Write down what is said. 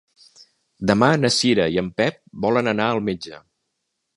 Demà na Cira i en Pep volen anar al metge.